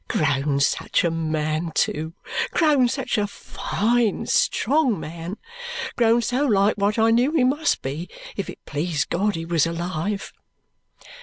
Grown such a man too, grown such a fine strong man. Grown so like what I knew he must be, if it pleased God he was alive!"